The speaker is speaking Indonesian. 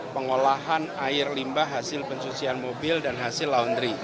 pengolahan air limbah hasil pencucian mobil dan hasil laundry